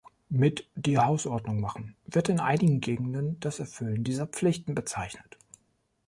Mit "„die Hausordnung machen“" wird in einigen Gegenden das Erfüllen dieser Pflichten bezeichnet.